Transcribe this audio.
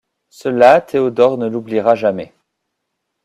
Cela Théodore ne l'oubliera jamais.